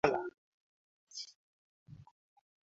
husababisha ukosoaji mkubwa kutoka nje ya nchi zote mbili